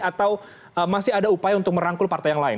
atau masih ada upaya untuk merangkul partai yang lain